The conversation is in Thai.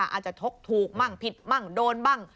อาจจะทกถูกบ้างผิดบ้างโดนบ้าง